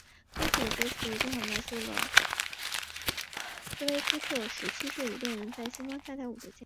歌曲的歌词也正好描述了斯威夫特十七岁时与恋人在星光下跳舞的经历。